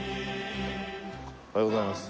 おはようございます。